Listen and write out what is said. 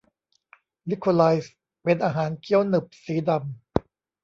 ลิโคไรซ์เป็นอาหารเคี้ยวหนึบสีดำ